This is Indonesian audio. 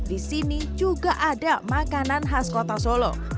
di sini juga ada makanan khas kota solo